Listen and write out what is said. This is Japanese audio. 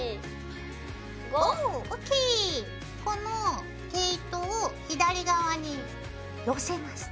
この毛糸を左側に寄せます。